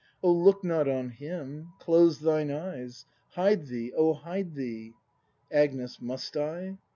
] O look not on Mini! ('lose thine eyes! Hide thee, O hide thee! ACJNKH. Must 1